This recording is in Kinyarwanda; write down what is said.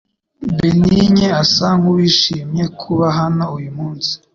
Benigne asa nkuwishimiye kuba hano uyu munsi .